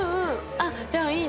あっじゃあいいですね。